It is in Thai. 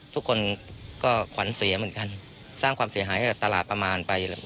ทุกคนก็ขวัญเสียเหมือนกันสร้างความเสียหายให้กับตลาดประมาณไป